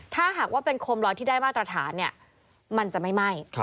ถ้าหากว่าเป็นโคมลอยที่ได้มาตรฐานมันจะไม่ไหม้